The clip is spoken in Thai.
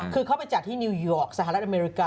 คือเขาไปจัดที่นิวยอร์กสหรัฐอเมริกา